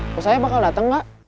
udah saya bakal dateng nggak